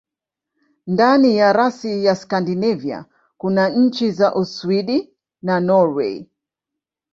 Ndani ya rasi ya Skandinavia kuna nchi za Uswidi na Norwei.